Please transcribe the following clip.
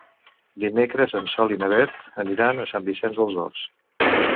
Dimecres en Sol i na Beth aniran a Sant Vicenç dels Horts.